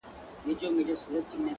که ستا د حسن د رڼا تصوير په خوب وويني!